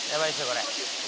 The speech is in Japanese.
これ。